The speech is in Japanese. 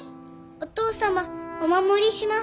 お父様お守りします。